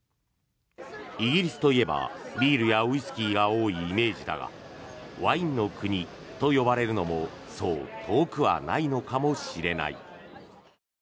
イギリスといえばビールやウイスキーが多いイメージだがワインの国と呼ばれるのもそう遠くはないのかもしれない。